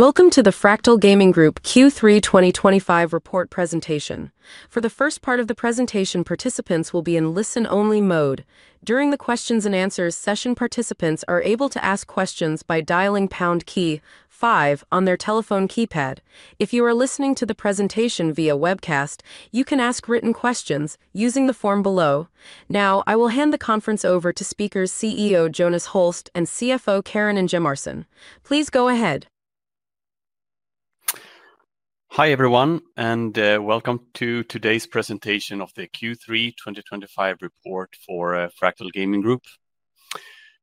Welcome to the Fractal Gaming Group Q3 2025 report presentation. For the first part of the presentation, participants will be in listen only mode. During the questions and answers session, participants are able to ask questions by dialing KEY five on their telephone keypad. If you are listening to the presentation via webcast, you can ask written questions using the form below. Now I will hand the conference over to speakers CEO Jonas Holst and CFO Karin Ingemarson. Please go ahead. Hi everyone, and welcome to today's presentation of the Q3 2025 report for Fractal Gaming Group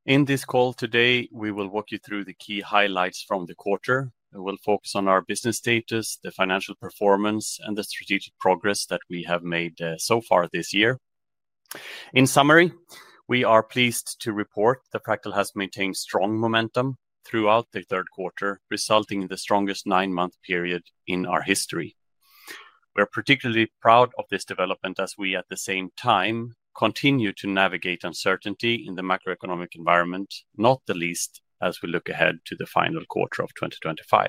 AB. In this call today, we will walk you through the key highlights from the quarter. We'll focus on our business status. Financial performance and the strategic progress that we have made so far this year. In summary, we are pleased to report that Fractal has maintained strong momentum throughout the third quarter, resulting in the strongest nine month period in our history. We're particularly proud of this development as we at the same time continue to navigate uncertainty in the macroeconomic environment. Not the least, as we look ahead to the final quarter of 2025.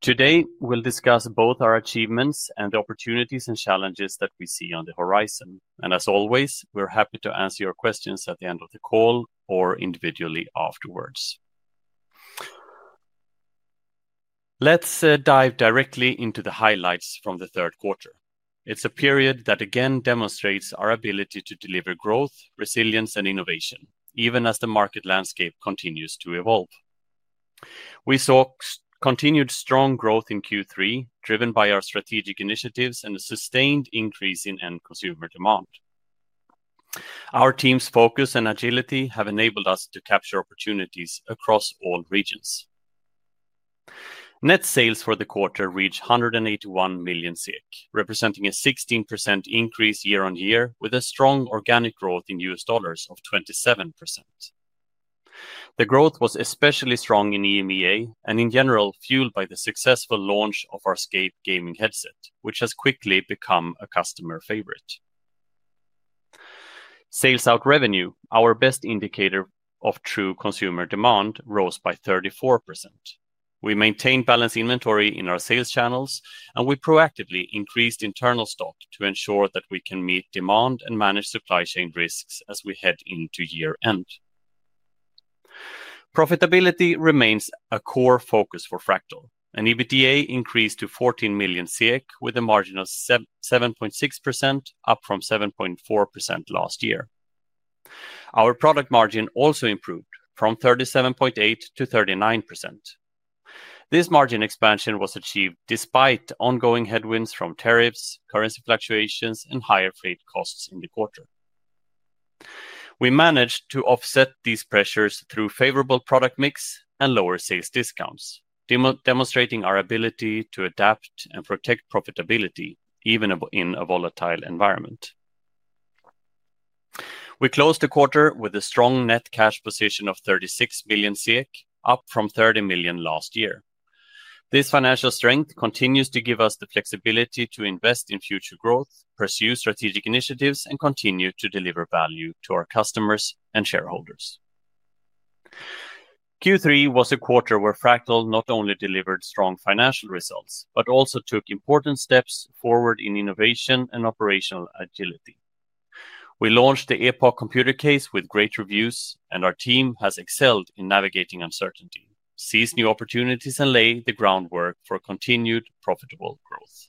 Today we'll discuss both our achievements and the opportunities and challenges that we see on the horizon. We are happy to answer your questions at the end of the call or individually afterwards. Let's dive directly into the highlights from the third quarter. It's a period that again demonstrates our ability to deliver growth, resilience, and innovation even as the market landscape continues to evolve. We saw continued strong growth in Q3, driven by our strategic initiatives and a sustained increase in end consumer demand. Our team's focus and agility have enabled us to capture opportunities across all regions. Net sales for the quarter reached 181 million, representing a 16% increase year-on-year, with strong organic growth in US dollars of 27%. The growth was especially strong in EMEA and in general fueled by the successful launch of our SCAPE gaming headset, which has quickly become a customer favorite. Sales out revenue, our best indicator of true consumer demand, rose by 34%. We maintained balanced inventory in our sales channels, and we proactively increased internal stock to ensure that we can meet demand and manage supply chain risks. As we head into year end, profitability remains a core focus for Fractal, and EBITDA increased to 14 million with a margin of 7.6%, up from 7.4% last year. Our product margin also improved from 37.8% to 39%. This margin expansion was achieved despite ongoing headwinds from tariffs, currency fluctuations, and higher freight costs in the quarter. We managed to offset these pressures through favorable product mix and lower sales discounts, demonstrating our ability to adapt and protect profitability even in a volatile environment. We closed the quarter with a strong net cash position of $36 million, up from $30 million last year. This financial strength continues to give us the flexibility to invest in future growth, pursue strategic initiatives, and continue to deliver value to our customers and shareholders. Q3 was a quarter where Fractal not only delivered strong financial results, but also took important steps forward in innovation and operational agility. We launched the Epoch computer case with great reviews, and our team has excelled in navigating uncertainty, seizing new opportunities, and laying the groundwork for continued profitable growth.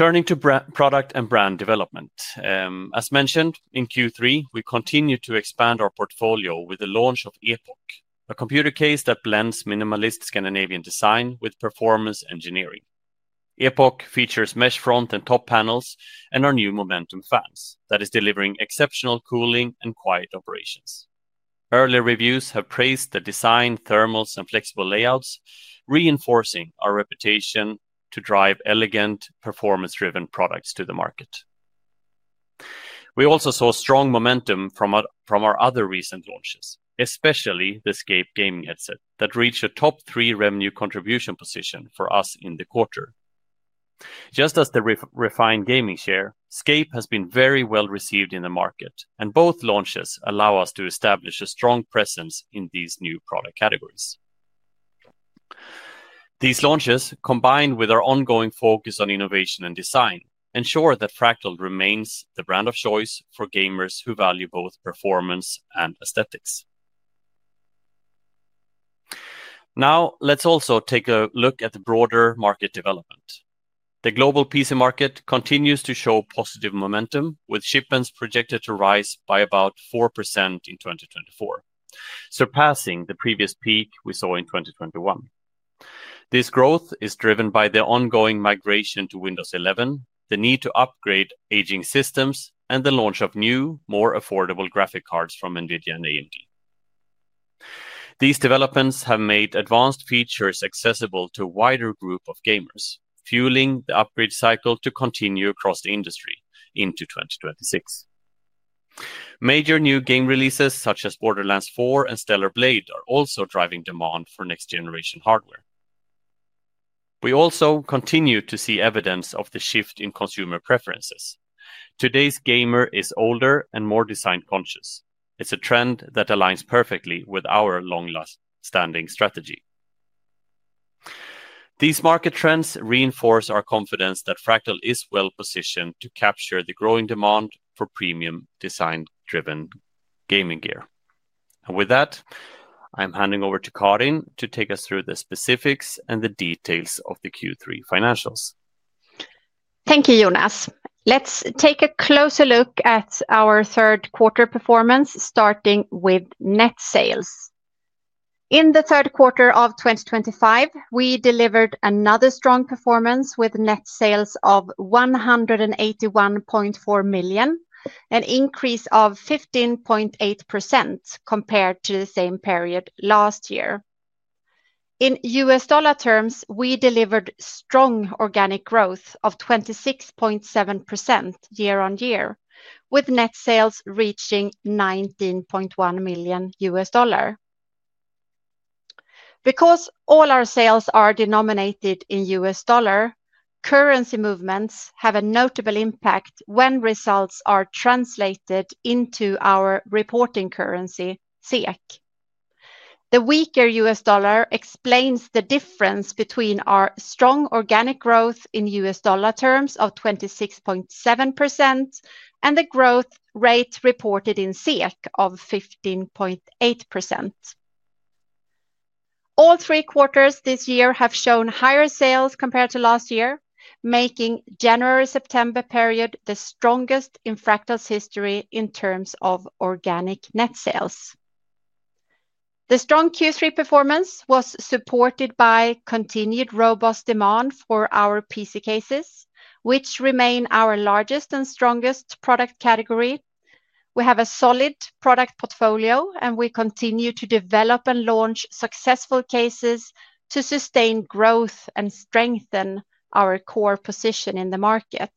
Turning to product and brand development, as mentioned in Q3, we continue to expand our portfolio with the launch of Epoch, a computer case that blends minimalist Scandinavian design with performance engineering. Epoch features mesh front and top panels and our new Momentum fans that are delivering exceptional cooling and quiet operations. Earlier reviews have praised the design, thermals, and flexible layouts, reinforcing our reputation to drive elegant, performance-driven products to the market. We also saw strong momentum from our other recent launches, especially the SCAPE gaming headset that reached a top-three revenue contribution position for us in the quarter. Just as the Refine gaming chair, SCAPE has been very well received in the market, and both launches allow us to establish a strong presence in these new product categories. These launches, combined with our ongoing focus on innovation and design, ensure that Fractal remains the brand of choice for gamers who value both performance and aesthetics. Now let's also take a look at the broader market development. The global PC market continues to show positive momentum with shipments projected to rise by about 4% in 2024, surpassing the previous peak we saw in 2021. This growth is driven by the ongoing migration to Windows 11, the need to upgrade aging systems, and the launch of new, more affordable graphic cards from NVIDIA and AMD. These developments have made advanced features accessible to a wider group of gamers, fueling the upgrade cycle to continue across the industry into 2026. Major new game releases such as Borderlands four and Stellar Blade are also driving demand for next generation hardware. We also continue to see evidence of the shift in consumer preferences. Today's gamer is older and more design conscious. It's a trend that aligns perfectly with our long-standing strategy. These market trends reinforce our confidence that Fractal is well positioned to capture the growing demand for premium design-driven gaming gear. With that, I'm handing over to Karin to take us through the specifics. The details of the Q3 financials. Thank you Jonas. Let's take a closer look at our third quarter performance starting with net sales. In the third quarter of 2025, we delivered another strong performance with net sales of 181.4 million, an increase of 15.8% compared to the same period last year. In US dollar terms, we delivered strong organic growth of 26.7% year-on-year with net sales reaching $19.1 million. Because all our sales are denominated in US dollar, currency movements have a notable impact when results are translated into our reporting currency SEK. The weaker US dollar explains the difference between our strong organic growth in US dollar terms of 26.7% and the growth rate reported in SEK of 15.8%. All three quarters this year have shown higher sales compared to last year, making the January to September period the strongest in Fractal's history. In terms of organic net sales, the strong Q3 performance was supported by continued robust demand for our PC cases, which remain our largest and strongest product category. We have a solid product portfolio, and we continue to develop and launch successful cases to sustain growth and strengthen our core position in the market.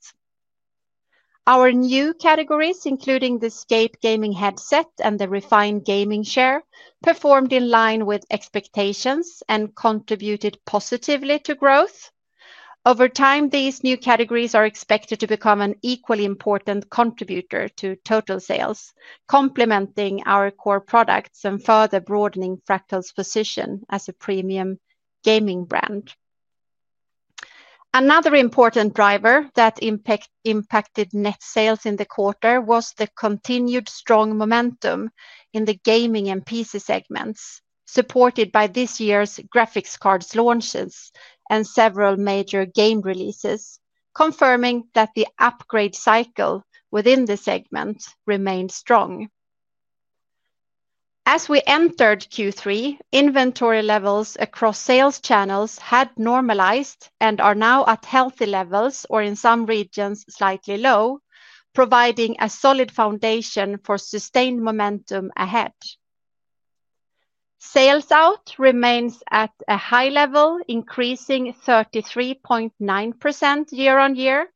Our new categories, including the SCAPE gaming headset and the Refine gaming chair, performed in line with expectations and contributed positively to growth. Over time, these new categories are expected to become an equally important contributor to total sales, complementing our core products and further broadening Fractal's position as a premium gaming brand. Another important driver that impacted net sales in the quarter was the continued strong momentum in the gaming and PC segments, supported by this year's graphics cards launches and several major game releases, confirming that the upgrade cycle within the segment remained strong. As we entered Q3, inventory levels across sales channels had normalized and are now at healthy levels or in some regions slightly low, providing a solid foundation for sustained momentum ahead. Sales out remains at a high level, increasing 33.9% year-on-year.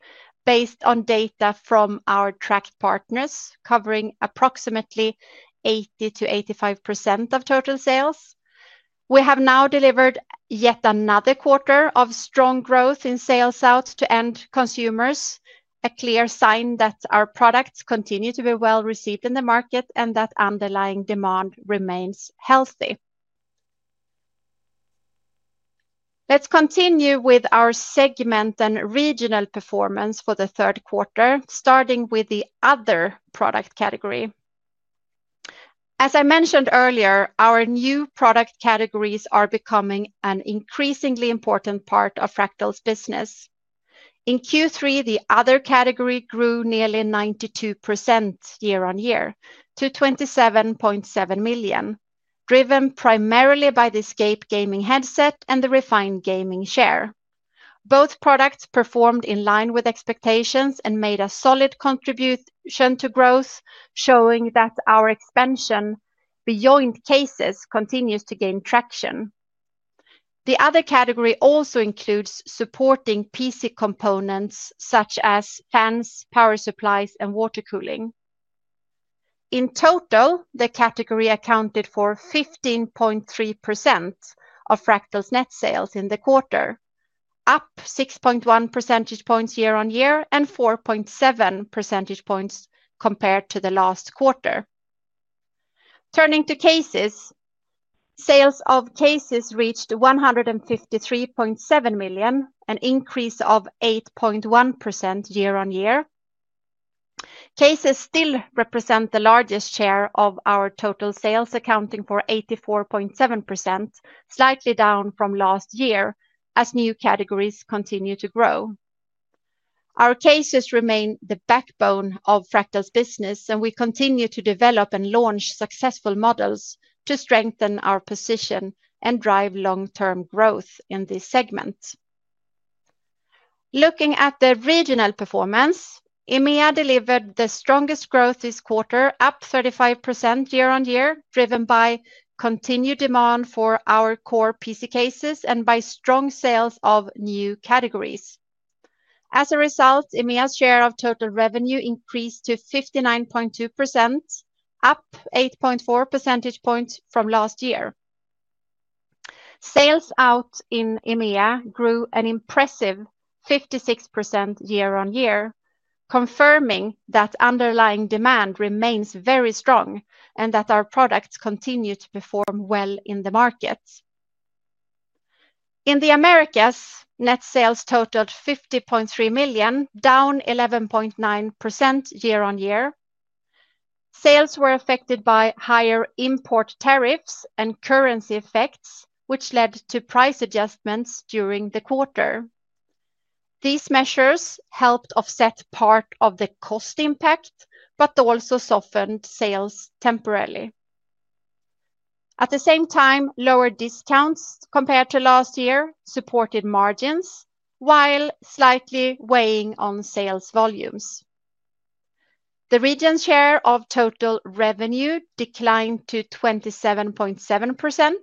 Based on data from our tracked partners covering approximately 80% to 85% of total sales, we have now delivered yet another quarter of strong growth in sales out to end consumers, a clear sign that our products continue to be well received in the market and that underlying demand remains healthy. Let's continue with our segment and regional performance for the third quarter, starting with the Other product category. As I mentioned earlier, our new product categories are becoming an increasingly important part of Fractal's business. In Q3, the other category grew nearly 92% year-on-year to 27.7 million, driven primarily by the SCAPE gaming headset and the Refine gaming chair. Both products performed in line with expectations and made a solid contribution to growth, showing that our expansion beyond cases continues to gain traction. The other category also includes supporting PC components such as fans, power supply units, and water cooling. In total, the category accounted for 15.3% of Fractal's net sales in the quarter, up 6.1 percentage points year-on-year and 4.7 percentage points compared to the last quarter. Turning to cases, sales of cases reached 153.7 million, an increase of 8.1% year-on-year. Cases still represent the largest share of our total sales, accounting for 84.7%, slightly down from last year. As new categories continue to grow, our cases remain the backbone of Fractal's business and we continue to develop and launch successful models to strengthen our position and drive long-term growth in this segment. Looking at the regional performance, EMEA delivered the strongest growth this quarter, up 35% year-on-year, driven by continued demand for our core PC cases and by strong sales of new categories. As a result, EMEA's share of total revenue increased to 59.2%, up 8.4 percentage points from last year. Sales out in EMEA grew an impressive 56% year-on-year, confirming that underlying demand remains very strong and that our products continue to perform well in the market. In the Americas, net sales totaled 50.3 million, down 11.9% year-on-year. Sales were affected by higher import tariffs and currency effects, which led to price adjustments during the quarter. These measures helped offset part of the cost impact but also softened sales temporarily. At the same time, lower discounts compared to last year supported margins while slightly weighing on sales volumes. The region's share of total revenue declined to 27.7%,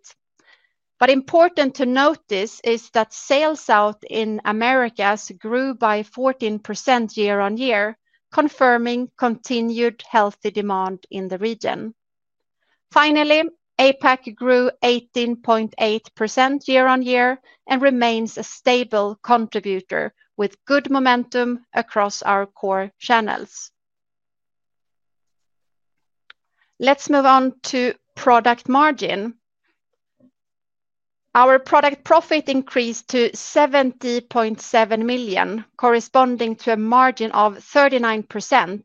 but important to notice is that sales out in the Americas grew by 14% year-on-year, confirming continued healthy demand in the region. Finally, APAC grew 18.8% year-on-year and remains a stable contributor with good momentum across our core channels. Let's move on to product margin. Our product profit increased to 70.7 million, corresponding to a margin of 39%,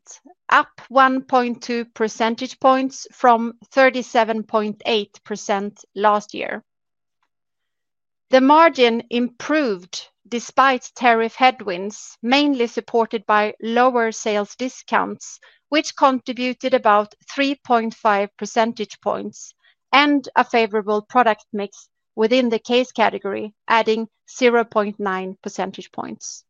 up 1.2 percentage points from 37.8% last year. The margin improved despite tariff headwinds, mainly supported by lower sales discounts, which contributed about 3.5 percentage points, and a favorable product mix. Within the case category, adding 0.9 percentage points,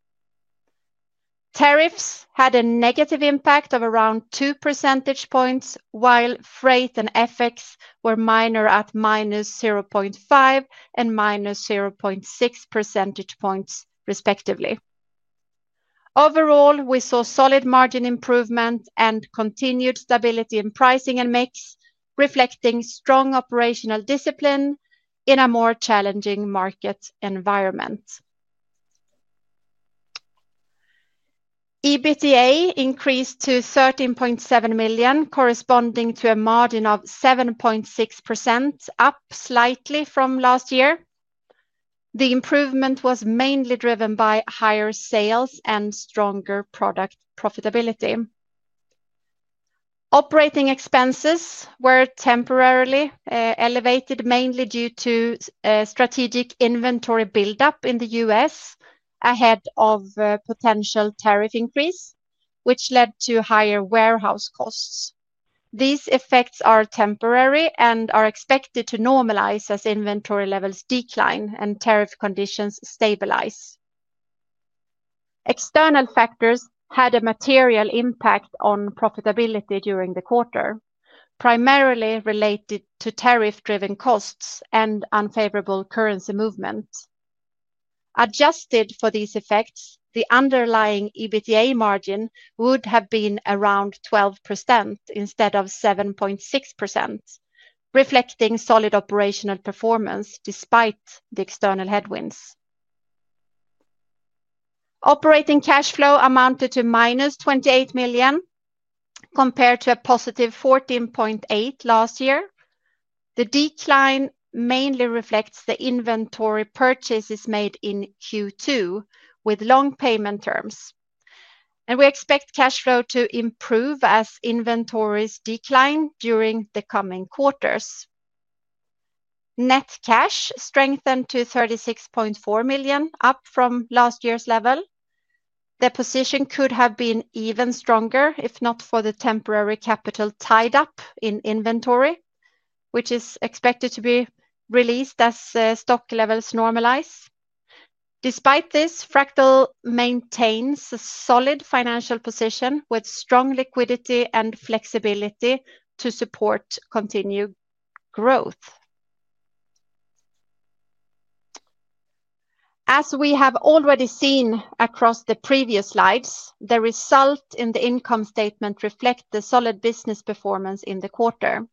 tariffs had a negative impact of around 2 percentage points, while freight and FX were minor at minus 0.5 and minus 0.6 percentage points, respectively. Overall, we saw solid margin improvement and continued stability in pricing and mix, reflecting strong operational discipline in a more challenging market environment. EBITDA increased to $13.7 million, corresponding to a margin of 7.6%, up slightly from last year. The improvement was mainly driven by higher sales and stronger product profitability. Operating expenses were temporarily elevated, mainly due to strategic inventory build-up in the U.S. ahead of potential tariff increase, which led to higher warehouse costs. These effects are temporary and are expected to normalize as inventory levels decline and tariff conditions stabilize. External factors had a material impact on profitability during the quarter, primarily related to tariff-driven costs and unfavorable currency movement. Adjusted for these effects, the underlying EBITDA margin would have been around 12% instead of 7.6%, reflecting solid operational performance despite the external headwinds. Operating cash flow amounted to -$28 million compared to a positive $14.8 million last year. The decline mainly reflects the inventory purchases made in Q2 with long payment terms, and we expect cash flow to improve as inventories decline during the coming quarters. Net cash strengthened to $36.4 million, up from last year's level. The position could have been even stronger if not for the temporary capital tied up in inventory, which is expected to be released as stock levels normalize. Despite this, Fractal Gaming Group AB maintains a solid financial position with strong liquidity and flexibility to support continued growth. As we have already seen across the previous slides, the result in the income statement reflects the solid business performance in the quarter.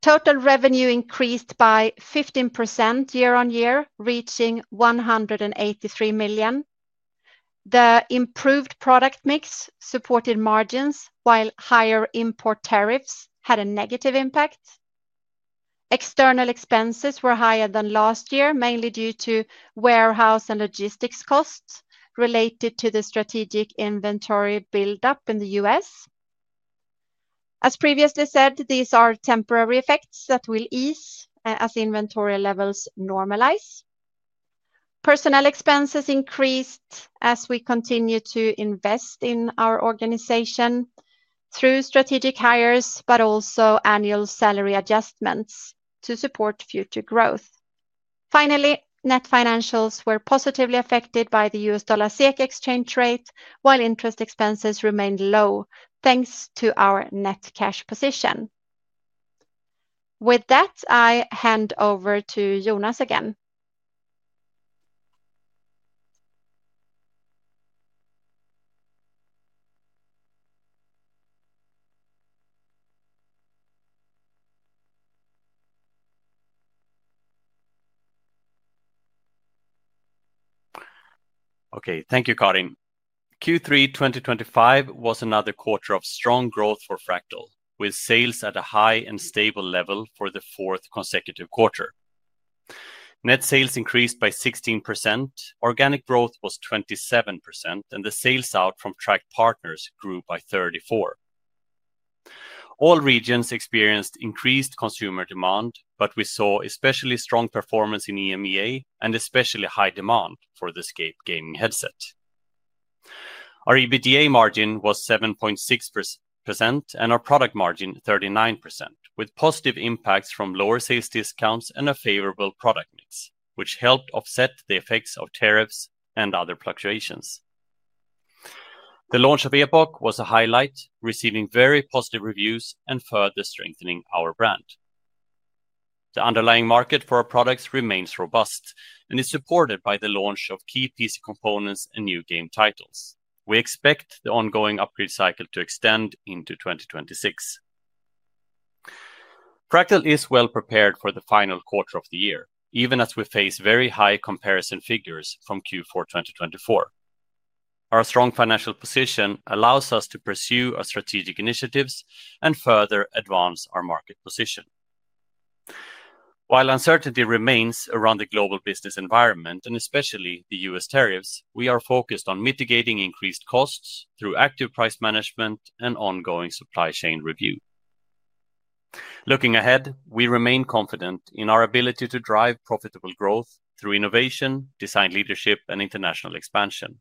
Total revenue increased by 15% year-on-year, reaching $183 million. The improved product mix supported margins, while higher import tariffs had a negative impact. External expenses were higher than last year, mainly due to warehouse and logistics costs related to the strategic inventory build-up in the U.S. As previously said, these are temporary effects that will ease as inventory levels normalize. Personnel expenses increased as we continue to invest in our organization through strategic hires, but also annual salary adjustments to support future growth. Finally, net financials were positively affected by the US Dollar exchange rate while interest expenses remained low thanks to our net cash position. With that, I hand over to Jonas. Okay, thank you Karin. Q3 2025 was another quarter of strong growth for Fractal with sales at a high and stable level. For the fourth consecutive quarter, net sales increased by 16%, organic growth was 27%, and the sales out from tracked partners grew by 34%. All regions experienced increased consumer demand, but we saw especially strong performance in EMEA and especially high demand for the SCAPE gaming headset. Our EBITDA margin was 7.6% and our product margin 39%, with positive impacts from lower sales discounts and a favorable product mix, which helped offset the effects of tariffs and other fluctuations. The launch of Epoch was a highlight, receiving very positive reviews and further strengthening our brand. The underlying market for our products remains robust and is supported by the launch of key PC components and new game titles. We expect the ongoing upgrade cycle to extend into 2026. Fractal is well prepared for the final quarter of the year, even as we face very high comparison figures from Q4 2024. Our strong financial position allows us to pursue our strategic initiatives and further advance our market position. While uncertainty remains around the global business environment and especially the US tariffs, we are focused on mitigating increased costs through active price management and ongoing supply chain review. Looking ahead, we remain confident in our ability to drive profitable growth through innovation, design, leadership, and international expansion.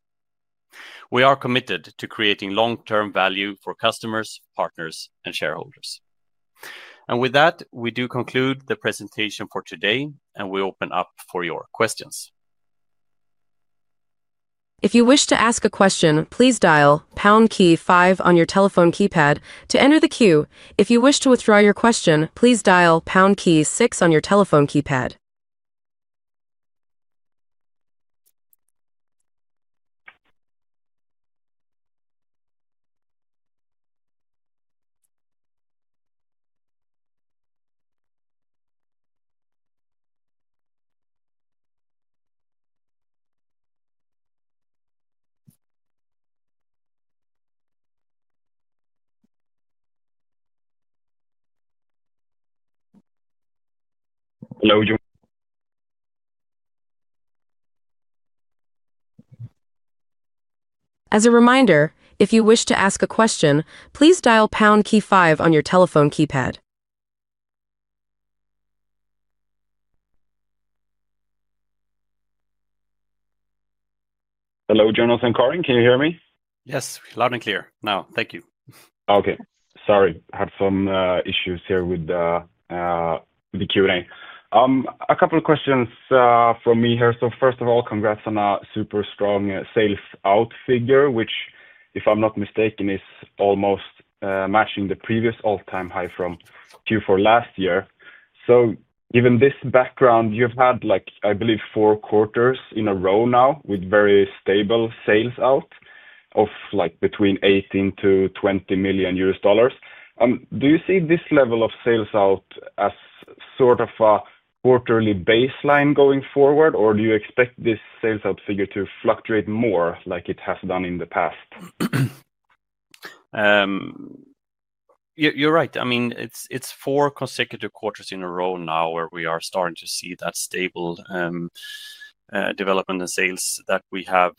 We are committed to creating long-term value for customers, partners, and shareholders, and with that we do conclude the presentation for today and we open up for your questions. If you wish to ask a question, please dial on your telephone keypad to enter the queue. If you wish to withdraw your question, please dial six on your telephone keypad. As a reminder, if you wish to ask a question, please dial key five on your telephone keypad. Hello Jonas and Karin, can you hear me? Yes, loud and clear now. Thank you. Okay, sorry, have some issues here with the Q and A. A couple of questions from me here. First of all, congrats on a super strong sales out figure, which if I'm not mistaken is almost matching the previous all-time high from Q4 last year. Given this background, you've had, like, I believe, four quarters in a row now with very stable sales out of between $18 million to $20 million. Do you see this level of sales out as sort of a quarterly baseline going forward, or do you expect this sales out figure to fluctuate more like it has done in the past? You're right. I mean it's four consecutive quarters in a row now where we are starting to see that stable development and sales that we have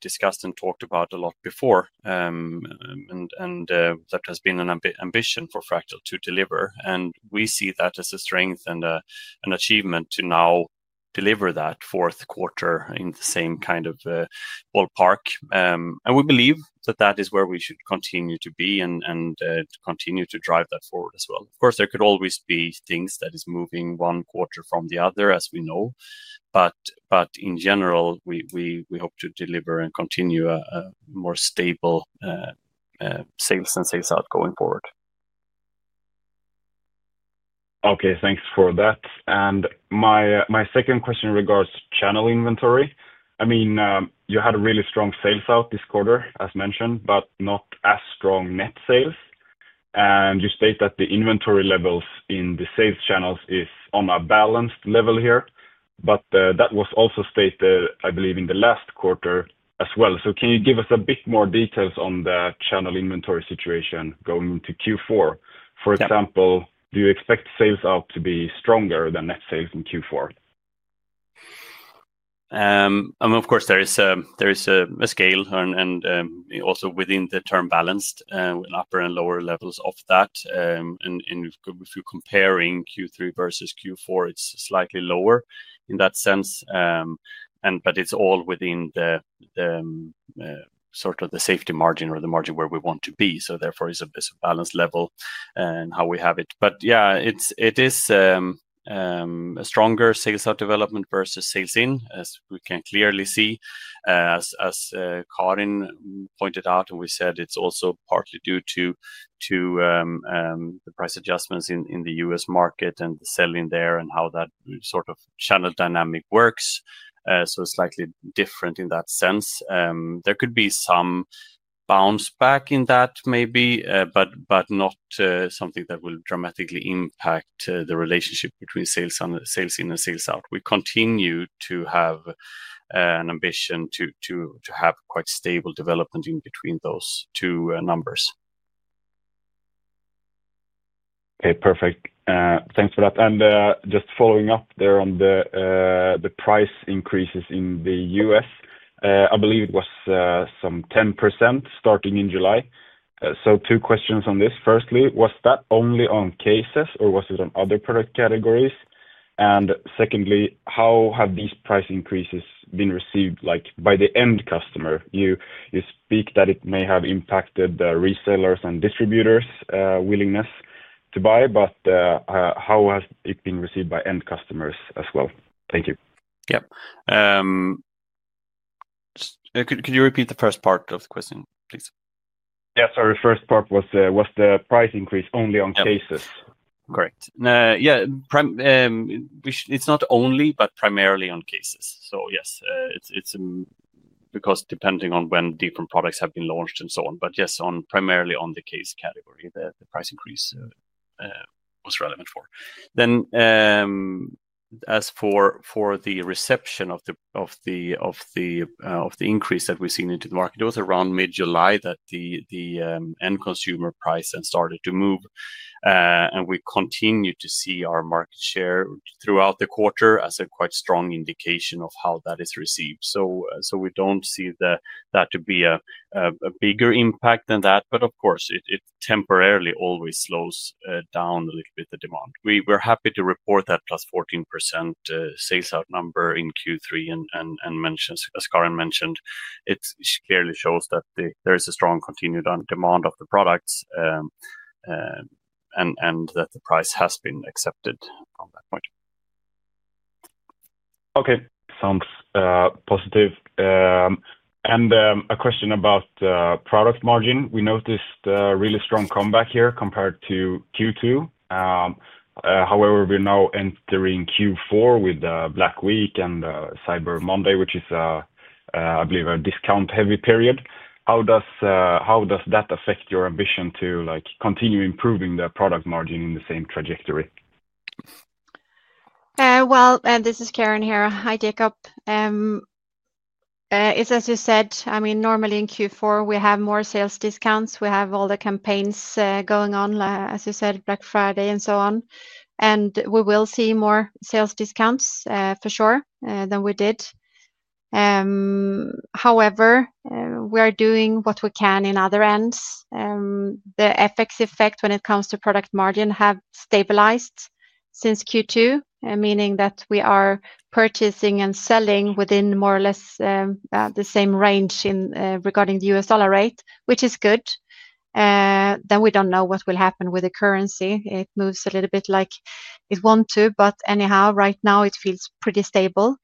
discussed and talked about a lot before, and that has been an ambition for Fractal to deliver. We see that as a strength and an achievement to now deliver that fourth quarter in the same kind of ballpark. We believe that that is where we should continue to be and continue to drive that forward as well. Of course, there could always be things. That is moving 1/4 from the other as we know, but in general, we hope to deliver and continue more stable sales and sales out going forward. Okay, thanks for that. My second question regards channel inventory. I mean you had a really strong sales out this quarter as mentioned, but not as strong net sales. You state that the inventory levels in the sales channels is on a balanced level here. That was also stated I believe in the last quarter as well. Can you give us a bit more details on the channel inventory situation going into Q4? For example, do you expect sales out to be stronger than net sales in Q4? Of course, there is a scale. Also within the term balanced upper and lower levels of that. If you're comparing Q3 versus Q4, it's slightly lower in that sense, but it's all within the sort of the safety margin or the margin where we want to be. Therefore, it's a balanced level. We have it. Yeah, it is a stronger sales out development versus sales in as we can clearly see. As Karin Ingemarson pointed out and we said it's also partly due to the price adjustments in the US market and the selling there and how that sort of channel dynamic works. Slightly different in that sense. There could be some bounce back in that maybe, but not something that will dramatically impact the relationship between sales in and sales out. Continue to have an ambition to have quite stable development in between those two numbers. Okay, perfect. Thanks for that. Just following up there on the price increases in the U.S. I believe it was some 10% starting in July. Two questions on this. Firstly, was that only on cases or was it on other product categories? Secondly, how have these price increases been received by the end customer? You speak that it may have impacted resellers and distributors' willingness to buy, but how has it been received by end customers as well? Thank you. Could you repeat the first part of the question please? Sorry, first part, was the price increase only on cases, correct? Yeah, it's not only, but primarily on cases. Yes, it's because depending on when different products have been launched and so on, but yes, primarily on the case category the price increase was relevant for then. As for the reception of the increase that we've seen into the market, it was around mid July that the end consumer price started to move, and we continue to see our market share throughout the quarter as a quite strong indication of how that is received. We don't see that to be a bigger impact than that. Of course, it temporarily always slows down a little bit the demand. We were happy to report that +14% sales out number in Q3 as Karin mentioned, it clearly shows that there is a strong continued on demand of the products. The price has been accepted on that point. Okay, sounds positive. A question about product margin. We noticed really strong comeback here compared to Q2. However, we're now entering Q4 with Black Week and Cyber Monday, which is, I believe, a discount heavy period. How does that affect your ambition to continue improving the product margin in the same trajectory? This is Karin here. Hi Jakob. It's as you said. Normally in Q4 we have more sales discounts. We have all the campaigns going on as you said, Black Friday and so on. We will see more sales discounts for sure than we did. However, we are doing what we can in other ends. The FX effect when it comes to product margin has stabilized since Q2, meaning that we are purchasing and selling within more or less the same range regarding the US dollar rate, which is good. We don't know what will happen with the currency. It moves a little bit like it wants to, but right now it feels pretty stable.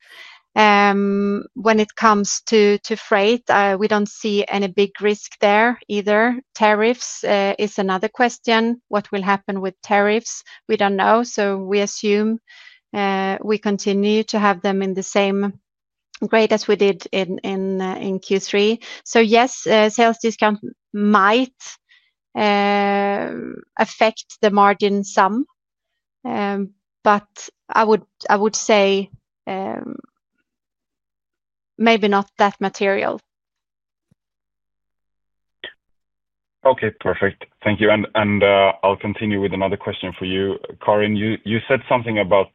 When it comes to freight, we don't see any big risk there either. Tariffs is another question. What will happen with tariffs? We don't know. We assume we continue to have them in the same grade as we did in Q3. Yes, sales discounts might affect the margin some, but I would say maybe not that material. Okay, perfect. Thank you. I'll continue with another question for you, Karin. You said something about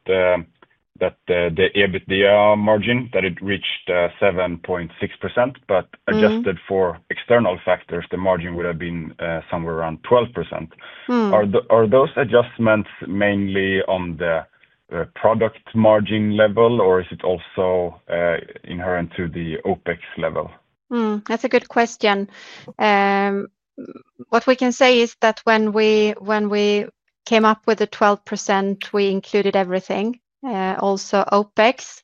that the EBITDA margin, that it reached 7.6% but adjusted for external factors the margin would have been somewhere around 12%. Are those adjustments mainly on the product margin level or is it also inherent to the OpEx level? That's a good question. What we can say is that when we came up with the 12% we included everything, also OpEx.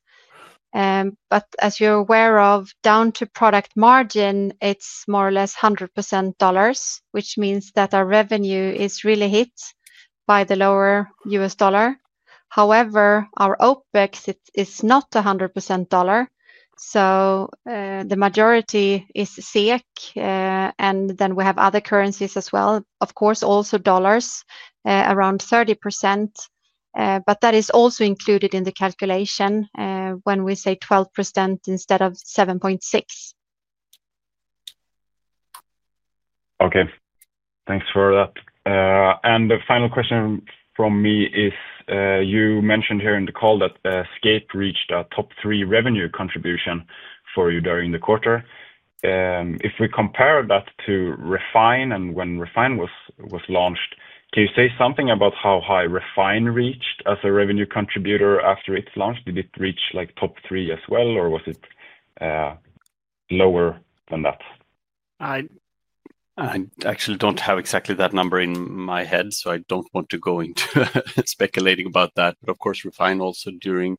As you're aware of, down to product margin it's more or less 100% dollars, which means that our revenue is really hit by the lower US dollar. However, our OpEx is not 100% dollar, so the majority is SEK. We have other currencies as well. Of course, also dollars around 30%, but that is also included in the calculation when we say 12% instead of 7.6%. Okay, thanks for that. The final question from me is you mentioned here in the call that SCAPE reached a top three revenue contribution for you during the quarter. If we compare that to Refine and when Refine was launched, can you say something about how high Refine reached as a revenue contributor after its launch? Did it reach like top three as well or was it lower than that? I actually don't have exactly that number in my head, so I don't want to go into speculating about that. Of course, Refine also during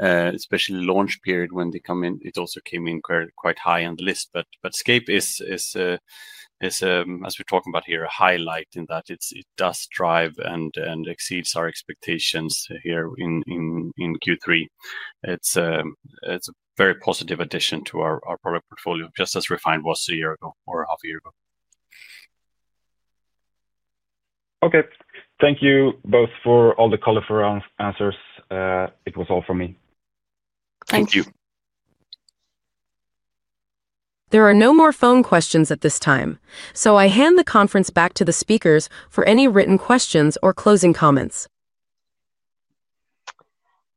especially launch period when they come in, it also came in quite high on the list. SCAPE is, as we're talking about here, a highlight in that it does drive and exceeds our expectations here in Q3. It's a very positive addition to our product portfolio, just as Refine was a year ago or half a year ago. Okay, thank you both for all the colorful answers. That was all for me. Thank you. There are no more phone questions at this time, so I hand the conference back to the speakers for any written questions or closing comments.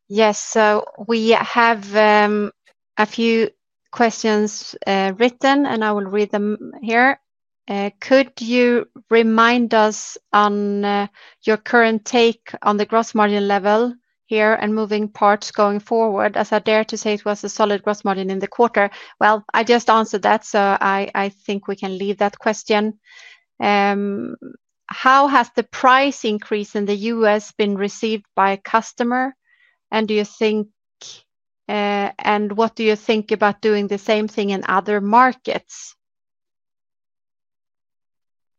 Yes, so we have a few questions written and I will read them here. Could you remind us on your current take on the gross margin level here and moving parts going forward? I dare to say it was a solid gross margin in the quarter. I just answered that so I think we can leave that question. How has the price increase in the U.S. been received by a customer and what do you think about doing the same thing in other markets?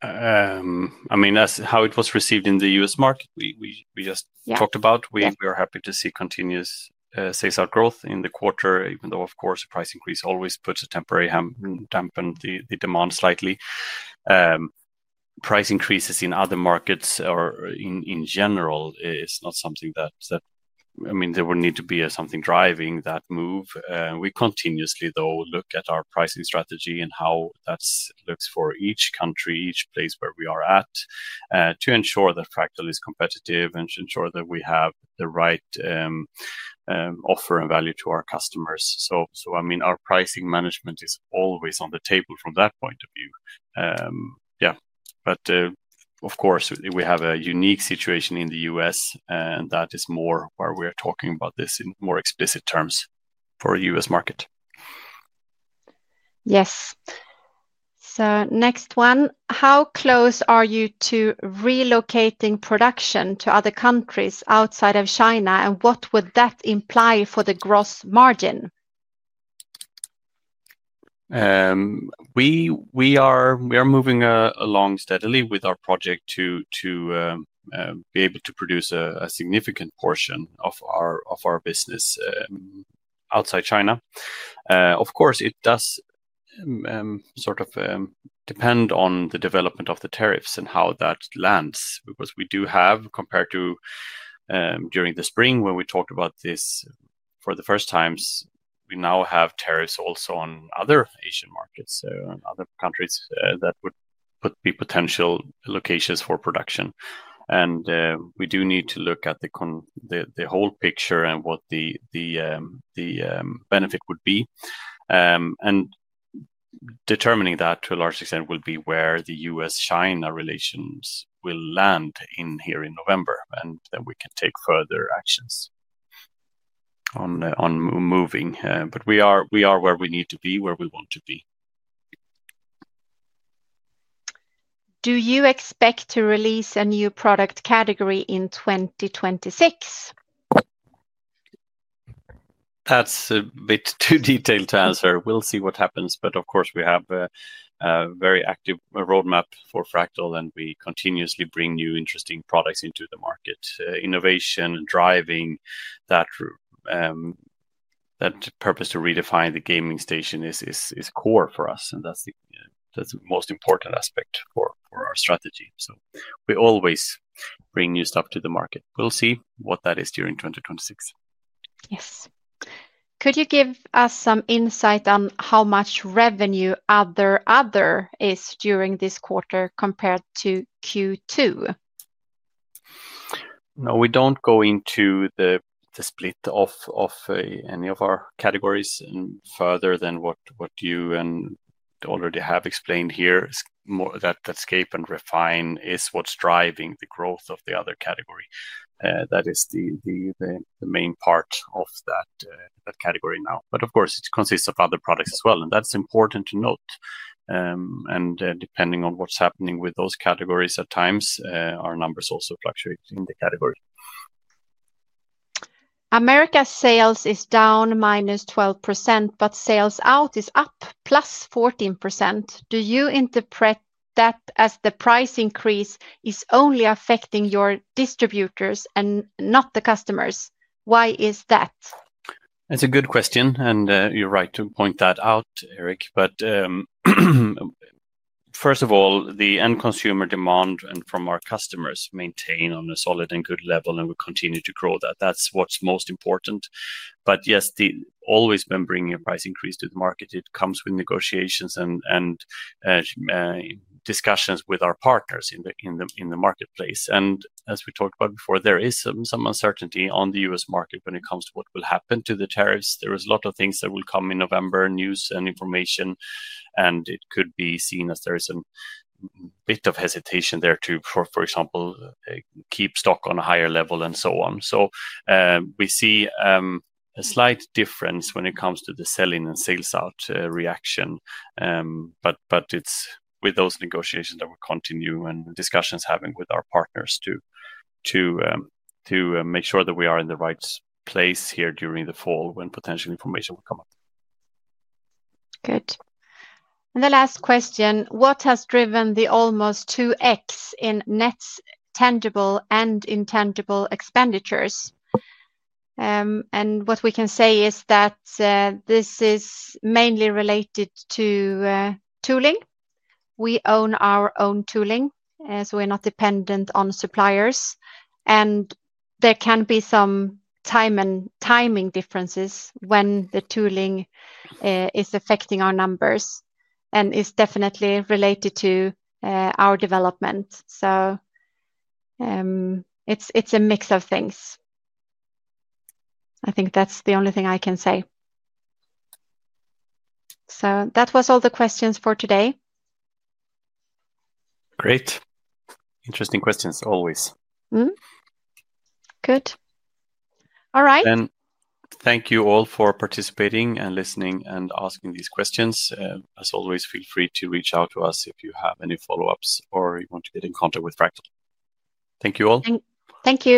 I mean as how it was received in the US market we just talked about, we are happy to see continuous sales out growth in the quarter, even though of course a price increase always puts a temporary dampened the demand slightly. Price increases in other markets or in general is not something that, I mean there would need to be something driving that move. We continuously though look at our pricing strategy and how that looks for each country, each place where we are at to ensure that Fractal is competitive and ensure that we have the right offer and value to our customers. I mean our pricing management is always on the table from that point of view. Yeah. Of course we have a unique situation in the U.S. and that is more where we are talking about this in more explicit terms for the US market. Yes. Next one, how close are you to relocating production to other countries outside of China, and what would that imply for the gross margin? We are moving along steadily with our project to be able to produce a significant portion of our business outside China. Of course, it does sort of depend on the development of the tariffs and how that lands because we do have, compared to during the spring when we talked about this for the first times, we now have tariffs also on other Asian markets and other countries that would be potential locations for production. We do need to look at the whole picture and what the benefit would be, and determining that to a large extent will be where the US-China relations will land here in November, and then we can take further actions on moving. We are where we need to be where we want to be. Do you expect to release a new product category in 2026? That's a bit too detailed to answer. We'll see what happens. Of course, we have a very active roadmap for Fractal and we continuously bring new interesting products into the market. Innovation driving that purpose to redefine the gaming station is core for us, and that's the most important aspect for our strategy. We always bring new stuff to the market. We'll see what that is during 2026. Yes. Could you give us some insight on how much revenue other is during this compared to Q2? No, we don't go into the split of any of our categories further than what you already have explained here. That SCAPE and Refine is what's driving the growth of the other category. That is the main part of that category now. Of course, it consists of other products as well and that's important to note. Depending on what's happening with those categories at times our numbers also fluctuate in the category. Americas sales is down -12% but sales out is up +14%. Do you interpret that as the price increase is only affecting your distributors and not the customers? Why is that? It's a good question, and you're right to point that out, Eric. First of all the end consumer demand from our customers remains on a solid and good level, and we continue to grow that. That's what's most important. Yes, always been bringing a price increase to the market. It comes with negotiations and discussions with our partners in the marketplace. As we talked about before, there is some uncertainty on the US market when it comes to what will happen to the tariffs. There are a lot of things that will come in November news and information, and it could be seen as there is a bit of hesitation there to, for example, keep stock on a higher level and so on. We see a slight difference when it comes to the selling and sales out reaction. It's with those negotiations that we continue and discussions having with our partners to make sure that we are in the right place here during the fall when potential information will come up. Good. The last question, what has driven the almost 2x in net tangible and intangible expenditures. What we can say is that this is mainly related to tooling. We own our own tooling as we're not dependent on suppliers. There can be some time and timing differences when the tooling is affecting our numbers and is definitely related to our development. It's a mix of things. I think that's the only thing I can say. That was all the questions for today. Great, interesting questions. Always. Good. All right. Thank you all for participating and listening.for asking these questions. As always, feel free to reach out to us if you have any follow-ups or you want to get in contact with Fractal. Thank you all. Thank you.